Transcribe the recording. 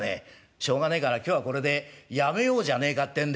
しょうがねえから今日はこれでやめようじゃねえかってんで」。